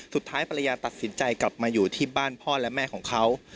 สุดท้ายภรรยาตัดสินใจกลับมาอยู่ที่บ้านพ่อและแม่ของเขา